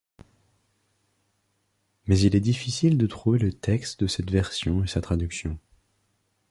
Mais il est difficile de trouver le texte de cette version et sa traduction.